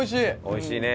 おいしいね。